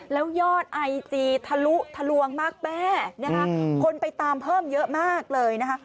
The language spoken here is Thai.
แล้วยอดไอจีถลุถลวงมากแป๊ปโขลนไปตามเพิ่มเยอะมากเลยนะคะ